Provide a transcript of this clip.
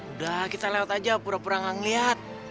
udah kita lewat aja pura pura gak ngeliat